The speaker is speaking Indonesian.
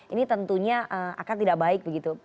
ini tentunya akan tidak baik begitu